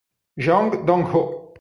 Jeong Dong-ho